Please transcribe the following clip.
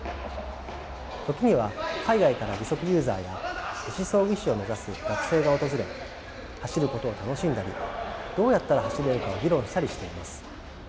時には海外から義足ユーザーや義肢装具士を目指す学生が訪れ走ることを楽しんだりどうやったら走れるかを議論したりしています。